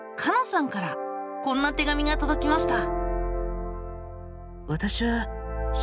さんからこんな手紙がとどきました。